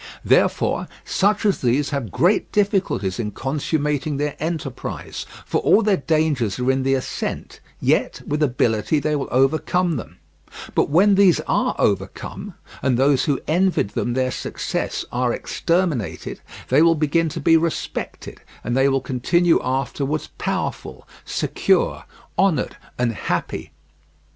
Therefore such as these have great difficulties in consummating their enterprise, for all their dangers are in the ascent, yet with ability they will overcome them; but when these are overcome, and those who envied them their success are exterminated, they will begin to be respected, and they will continue afterwards powerful, secure, honoured, and happy.